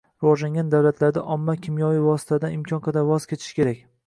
Rivojlangan davlatlarda omma kimyoviy vositalardan imkon qadar voz kechish kerak